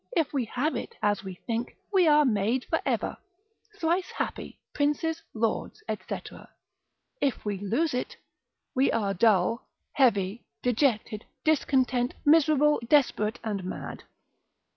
If we have it, as we think, we are made for ever, thrice happy, princes, lords, &c. If we lose it, we are dull, heavy, dejected, discontent, miserable, desperate, and mad.